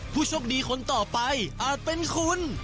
ผู้โชคดีคนต่อไปก็คนคุณ